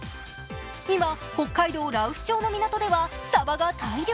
今、北海道羅臼町の港ではさばが大漁。